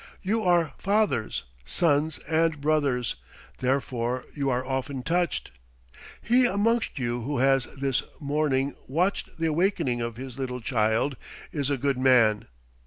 You are fathers, sons, and brothers; therefore you are often touched. He amongst you who has this morning watched the awaking of his little child is a good man.